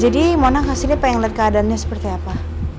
jadi mona kesini pengen liat keadaannya seperti apa